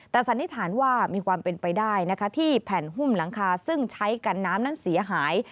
แต่สันนิษฐานว่ามีความเป็นไปได้นะคะที่แผ่นหุ้มหลังคาซึ่งใช้กันน้ำนั้นเสียหาย